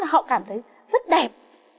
họ cảm thấy rất đẹp